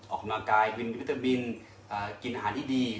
ออกกำลังกายบินวิตามินกินอาหารที่ดี